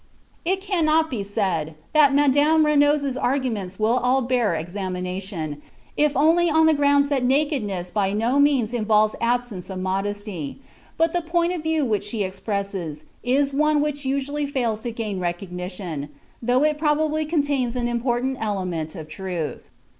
It cannot be said that Madame Renooz's arguments will all bear examination, if only on the ground that nakedness by no means involves absence of modesty, but the point of view which she expresses is one which usually fails to gain recognition, though it probably contains an important element of truth.